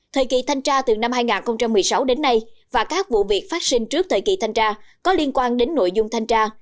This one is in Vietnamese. thời kỳ thanh tra từ năm hai nghìn một mươi sáu đến nay và các vụ việc phát sinh trước thời kỳ thanh tra có liên quan đến nội dung thanh tra